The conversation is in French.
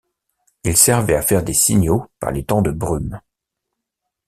Il servait à faire des signaux par les temps de brume.